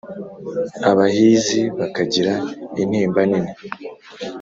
Abahizi bakagira intimba nini